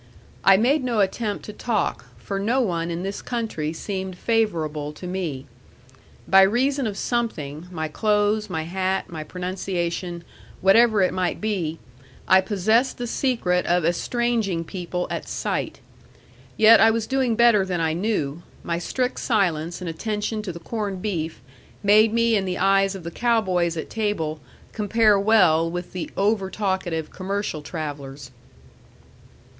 I made no attempt to talk, for no one in this country seemed favorable to me. By reason of something, my clothes, my hat, my pronunciation, whatever it might be, I possessed the secret of estranging people at sight. Yet I was doing better than I knew; my strict silence and attention to the corned beef made me in the eyes of the cow boys at table compare well with the over talkative commercial travellers.